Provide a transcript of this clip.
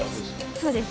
そうです。